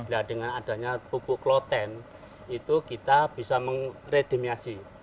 nah dengan adanya pupuk kloten itu kita bisa mengredimiasi